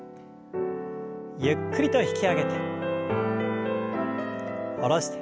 ゆっくりと引き上げて下ろして。